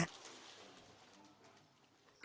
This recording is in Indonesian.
apa yang kamu ingin lakukan untuk mencapai keuntungan